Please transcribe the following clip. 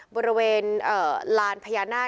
บริเวณลานพญานาค